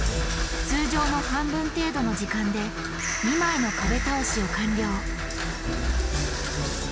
通常の半分程度の時間で２枚の壁倒しを完了。